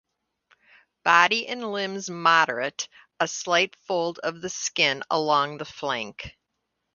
Body and limbs moderate; a slight fold of the skin along the flank.